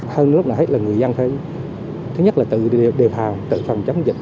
hơn lúc nãy là người dân thấy thứ nhất là tự đề phào tự phòng chống dịch